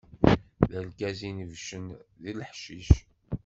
D arẓaz inebbcen deg leḥcic.